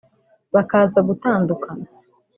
bakaza gutandukana